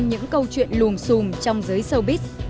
những câu chuyện luồng xùm trong giới showbiz